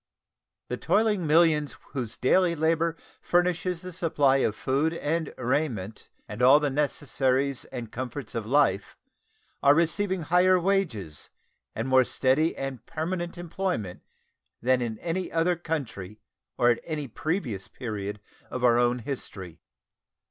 The toiling millions whose daily labor furnishes the supply of food and raiment and all the necessaries and comforts of life are receiving higher wages and more steady and permanent employment than in any other country or at any previous period of our own history.